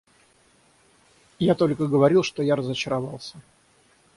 Я только говорил, что я разочаровался.